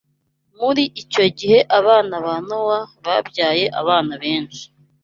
Muri icyo gihe abana ba Nowa babyaye abana benshi